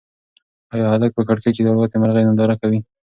ایا هلک په کړکۍ کې د الوتی مرغۍ ننداره کوله؟